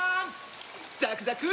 ザクザク！